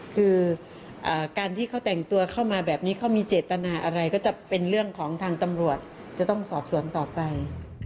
คือการที่เขาแต่งตัวเข้ามาแบบนี้เขามีเจตนาอะไรก็จะเป็นเรื่องของทางตำรวจจะต้องสอบสวนต่อไป